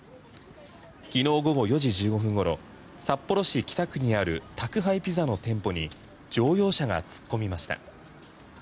昨日午後４時１５分ごろ札幌市北区にある宅配ピザの店舗に乗用車が突っ込みました。